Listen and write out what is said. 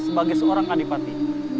sebagai seorang adipati